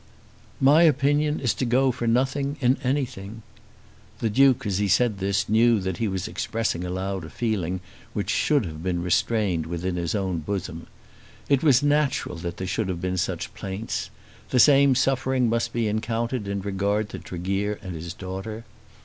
"My opinion is to go for nothing, in anything!" The Duke as he said this knew that he was expressing aloud a feeling which should have been restrained within his own bosom. It was natural that there should have been such plaints. The same suffering must be encountered in regard to Tregear and his daughter.